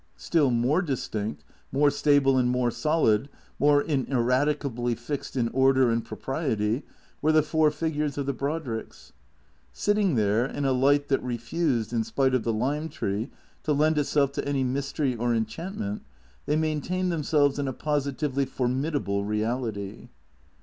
Still more distinct, more stable and more solid, more inerad icably fixed in order and propriety, were the four figures of the Brodricks. Sitting there, in a light that refused, in spite of the lime tree, to lend itself to any mystery or enchantment, they maintained themselves in a positively formidable reality.